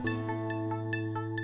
bagaimana tuh perasaannya